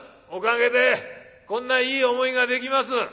おかげでこんないい思いができます。